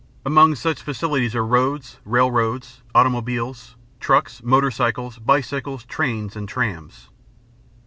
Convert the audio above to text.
Among such facilities are roads, railroads, auto mobiles, trucks, motor cycles, bicycles, trains, and trams.